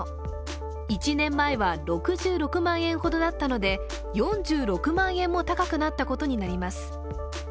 １年前は６６万円ほどだったので４６万円も高くなったことになります。